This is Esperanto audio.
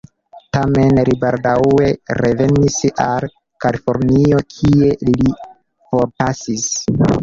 Tamen, li baldaŭ revenis al Kalifornio, kie li forpasis.